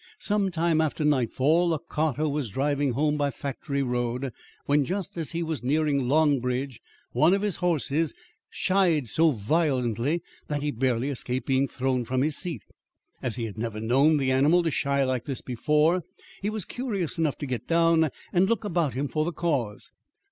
Some time after nightfall a carter was driving home by Factory Road, when just as he was nearing Long Bridge one of his horses shied so violently that he barely escaped being thrown from his seat. As he had never known the animal to shy like this before, he was curious enough to get down and look about him for the cause.